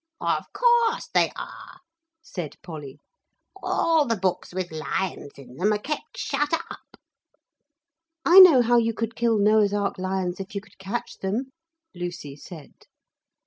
'Of course they are,' said Polly; 'all the books with lions in them are kept shut up.' 'I know how you could kill Noah's Ark lions if you could catch them,' Lucy said.